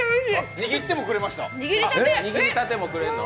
握ってもくれました。